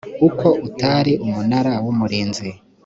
uko utari umunara w umurinzi